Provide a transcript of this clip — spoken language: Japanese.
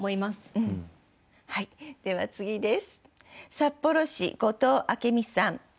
では次です。